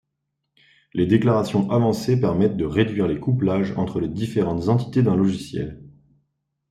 Les déclarations avancées permettent de réduire les couplages entre les différentes entités d'un logiciel.